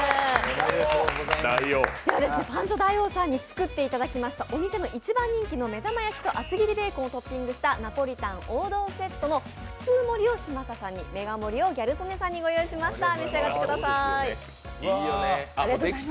パンチョ大王さんに作っていただきましたお店の一番人気の目玉焼きと厚切りベーコンをトッピングしたナポリタン王道セットの普通盛りを嶋佐さんに、メガ盛りをギャル曽根さんにご用意しました。